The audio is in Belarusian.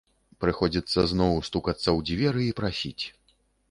Прыходзіцца зноў стукацца ў дзверы і прасіць.